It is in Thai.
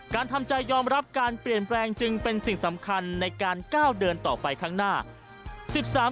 ทำใจยอมรับการเปลี่ยนแปลงจึงเป็นสิ่งสำคัญในการก้าวเดินต่อไปข้างหน้า